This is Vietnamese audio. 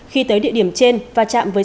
khi tới địa điểm trên va chạm với